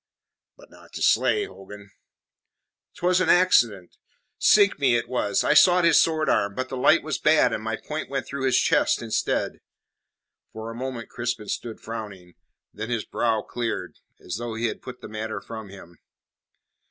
"But not to slay, Hogan!" "Twas an accident. Sink me, it was! I sought his sword arm; but the light was bad, and my point went through his chest instead." For a moment Crispin stood frowning, then his brow cleared, as though he had put the matter from him.